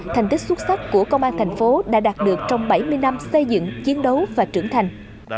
thành tích xuất sắc của công an thành phố đã đạt được trong bảy mươi năm xây dựng chiến đấu và trưởng thành